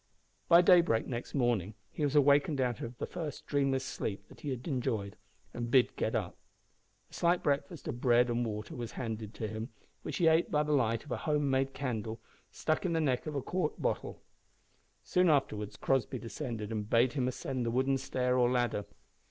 By daybreak next morning he was awakened out of the first dreamless sleep that he had enjoyed, and bid get up. A slight breakfast of bread and water was handed to him, which he ate by the light of a homemade candle stuck in the neck of a quart bottle. Soon afterwards Crossby descended, and bade him ascend the wooden stair or ladder.